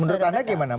menurut anda gimana